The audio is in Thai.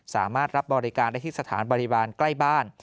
สามารถรับบริการได้ที่สถานบริวารใกล้บ้าน